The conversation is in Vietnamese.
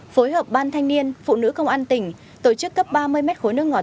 phối hợp ban thanh niên phụ nữ công an tỉnh tổ chức cấp ba mươi mét khối nước ngọt